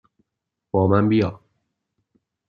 با من بیا!